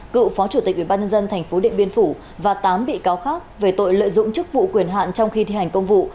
cựu phó chủ tịch ubnd tp điện biên phủ và tám bị cáo khác về tội lợi dụng chức vụ quyền hạn trong khi thi hành công vụ